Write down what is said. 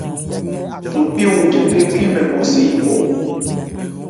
Sopí wu jɛtɛ̂n khɛ́n mɛn mo se yípɔ.